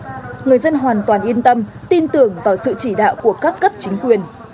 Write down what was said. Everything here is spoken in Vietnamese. tuy nhiên người dân hoàn toàn yên tâm tin tưởng vào sự chỉ đạo của các cấp chính quyền